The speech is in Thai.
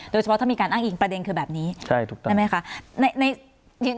โดยเฉพาะถ้ามีการอ้างอิงประเด็นคือแบบนี้ใช่ไหมคะ